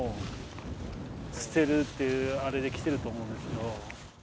っていうあれで来てると思うんですけど。